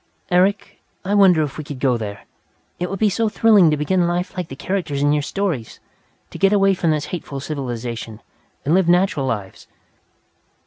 "Eric, I wonder if we could go there! It would be so thrilling to begin life like the characters in your stories, to get away from this hateful civilization, and live natural lives.